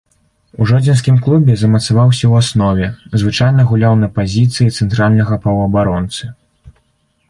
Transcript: У жодзінскім клубе замацаваўся ў аснове, звычайна гуляў на пазіцыі цэнтральнага паўабаронцы.